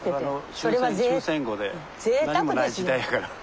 終戦後で何もない時代やから。